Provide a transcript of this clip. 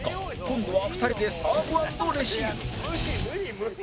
今度は２人でサーブアンドレシーブ！